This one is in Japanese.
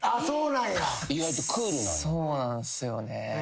そうなんすよね。